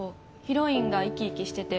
ヒロインがいきいきしてて